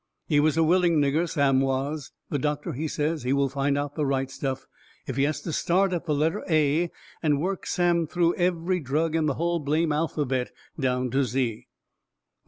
He was a willing nigger, Sam was. The doctor, he says he will find out the right stuff if he has to start at the letter A and work Sam through every drug in the hull blame alphabet down to Z.